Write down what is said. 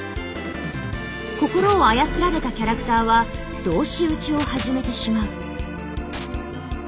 心を操られたキャラクターは同士討ちを始めてしまう。